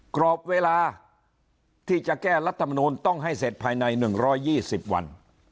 กรอบเวลาที่จะแก้รัฐมนูลต้องให้เสร็จภายในหนึ่งร้อยยี่สิบวัน